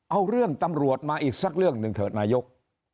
เอาเรื่องตำรวจมาอีกสักเรื่องหนึ่งเถอะนายก